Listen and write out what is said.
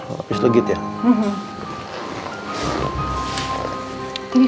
abis dapetin oleh irvin